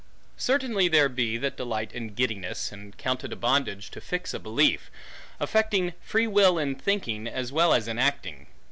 Certainly there be, that delight in giddiness, and count it a bondage to fix a belief; affecting free will in thinking, as well as in acting.